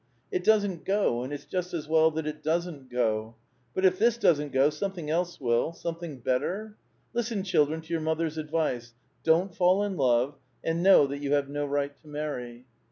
^^ It doesn't go, and it's just as well that it doesn't go. But if this doesn't go, something else will — something bet ter? Listen, children, to your mother's advice: Don't fall in love, and know that you have no right to maiTy."